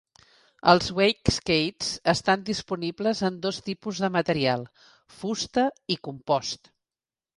Els wakeskates estan disponibles en dos tipus de material: fusta i compost.